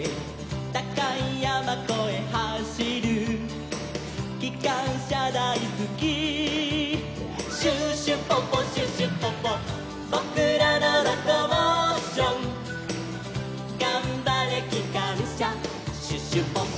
「たかいやまこえはしる」「きかんしゃだいすき」「シュシュポポシュシュポポ」「ぼくらのロコモーション」「がんばれきかんしゃシュシュポポ」